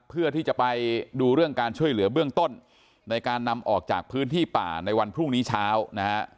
เพื่อที่จะไปดูเรื่องการช่วยเหลือเบื้องต้นในการนำออกจากพื้นที่ป่าในวันพรุ่งนี้เช้านะฮะ